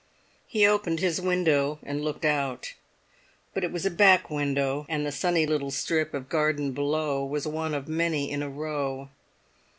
He opened his window and looked out; but it was a back window, and the sunny little strip of garden below was one of many in a row.